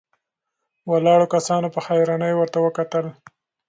ولاړو کسانو په حيرانۍ ورته وکتل.